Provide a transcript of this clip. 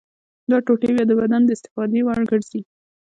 دا ټوټې بیا د بدن د استفادې وړ ګرځي.